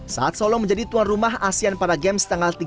saat solo menjadi tuan rumah asian para game setengah tengah ini